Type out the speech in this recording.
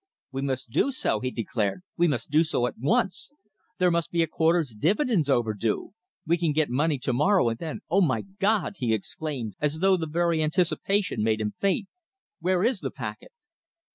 "We must do so," he declared. "We must do so at once. There must be a quarter's dividends overdue. We can get the money to morrow, and then oh! my God!" he exclaimed, as though the very anticipation made him faint. "Where is the packet?"